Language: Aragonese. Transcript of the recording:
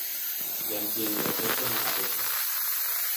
Ya el tiengo feto en la capeza.